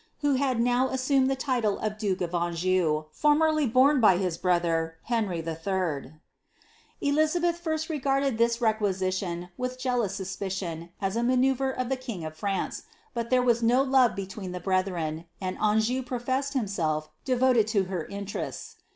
who had now aseumed the liile of dukt> of Anjou, formerly borne by hia brother, Henry 111. Elizabeth ai firat regarded (his requisition with jealnus anspicinn u I tnaiiteuvre of the king of France, but there was no love beiwren ibn brethren, and Anjou profe»w>l hinuplf rl(>v(iled to her interests.